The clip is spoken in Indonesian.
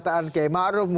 misalnya untuk pak prabowo